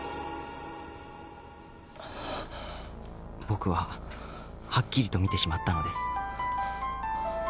［僕ははっきりと見てしまったのです］